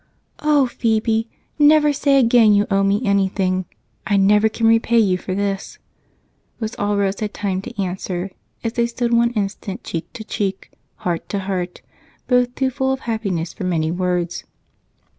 "Oh, Phebe, never say again you owe me anything! I never can repay you for this," was all Rose had time to answer as they stood one instant cheek to cheek, heart to heart, both too full of happiness for many words.